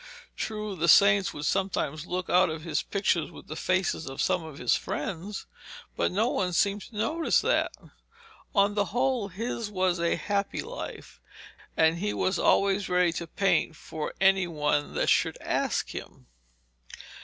True, the saints would sometimes look out of his pictures with the faces of some of his friends, but no one seemed to notice that. On the whole his was a happy life, and he was always ready to paint for any one that should ask him.